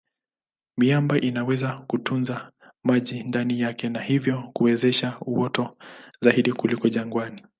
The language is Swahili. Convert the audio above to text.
Miamba inaweza kutunza maji ndani yake na hivyo kuwezesha uoto zaidi kuliko jangwani.